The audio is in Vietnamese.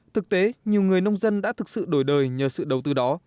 thực tế nhiều người nông dân đã thực sự đổi đời nhờ sự đầu tư đó